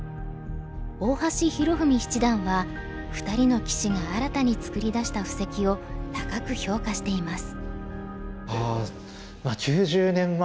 大橋拓文七段は２人の棋士が新たに作り出した布石を高く評価しています。